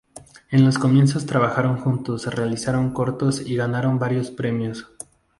En los comienzos trabajaron juntos realizando cortos y ganando varios premios.